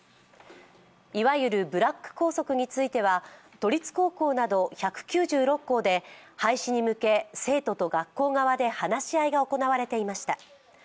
いわゆるブラック校則については、都立後攻など１９６校で廃止に向け、生徒と学校側で話し合いが行われていました。